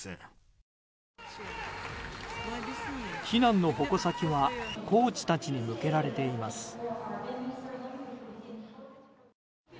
非難の矛先はコーチたちに向けられています。